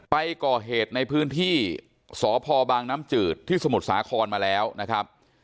ไปก่อเหตุในพื้นที่สพบางน้ำจืดที่สมุทรสาครมาแล้วนะครับ